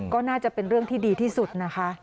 ก็น่าจะเป็นเรื่องที่ดีที่สุดนะคะ